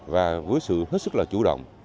và với sự hết sức là chủ động